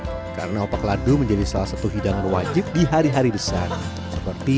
karena opak ladu menjadi salah satu hidangan wajib di hari hari besar seperti